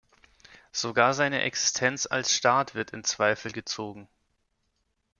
Sogar seine Existenz als Staat wird in Zweifel gezogen.